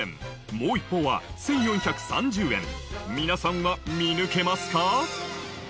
もう一方は１４３０円皆さんは見抜けますか？